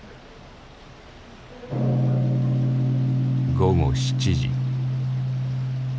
午後７時。